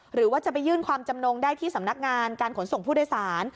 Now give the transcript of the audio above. หรือว่าจะไปยื่นความจำนงได้ที่สำนักงานการขนส่งผู้โดยสาร